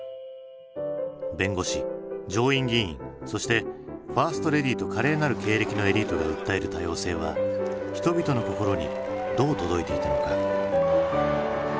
弁護士上院議員そしてファーストレディーと華麗なる経歴のエリートが訴える多様性は人々の心にどう届いていたのか？